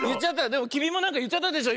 でもきみもなんかいっちゃったでしょ